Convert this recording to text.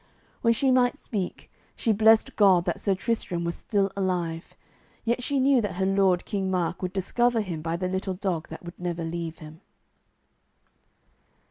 When she might speak, she blessed God that Sir Tristram was still alive, yet she knew that her lord King Mark would discover him by the little dog that would never leave him.